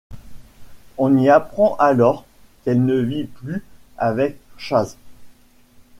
On y apprend alors qu'elle ne vit plus avec Chase.